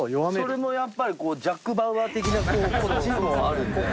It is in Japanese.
それもやっぱりこうジャック・バウアー的なこの手もあるんだよね。